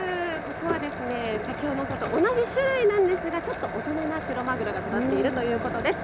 ここは先ほどと同じ種類なんですが、ちょっと大人なクロマグロが育っているということです。